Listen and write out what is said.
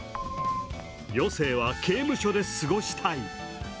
「余生は刑務所で過ごしたい。」